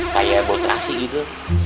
kayak boterasi gitu